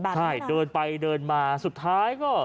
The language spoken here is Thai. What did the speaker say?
ใช่เดินไปเดินมาสุดท้ายก็